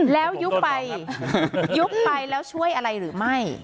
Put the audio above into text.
แล้วยุบไปยุบไปแล้วช่วยอะไรหรือไม่